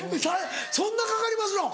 そんなかかりますの？